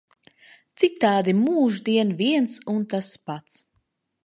Citādi mūždien viens un tas pats.